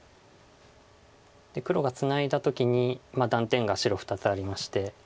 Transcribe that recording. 黒がツナいだ時に断点が白２つありまして。